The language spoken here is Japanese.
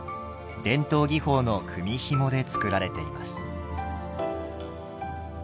伝統技法の組みひもで作られています。